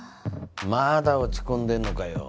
まだ落ち込んでんのかよ。